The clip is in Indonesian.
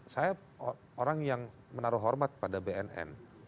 saya orang yang menaruh hormat pada bnn